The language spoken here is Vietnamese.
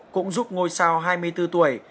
cũng giúp ngôi sao hai mươi bốn tuổi